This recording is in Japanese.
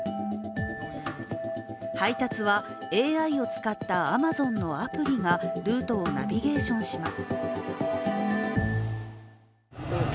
配達はＡＩを使ったアマゾンのアプリがルートをナビゲーションします。